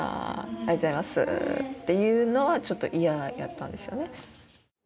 ありがとうございますーっていうのはちょっと嫌やったんですよね